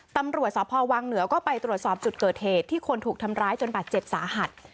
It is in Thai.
ตำรวจสพวังเหนือก็ไปตรวจสอบจุดเกิดเหตุที่คนถูกทำร้ายจนบาดเจ็บสาหัส